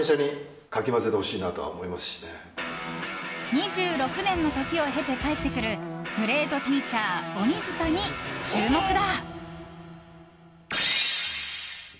２６年の時を経て帰ってくるグレイト・ティーチャー・オニヅカに注目だ！